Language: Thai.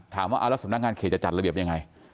ถามว่าแล้วสำนักงานเขตจะจัดระเบียบยังไง